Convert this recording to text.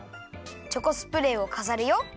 チョコスプレーをかざるよ。